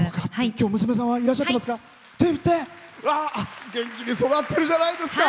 今日、娘さんいらっしゃっていますか。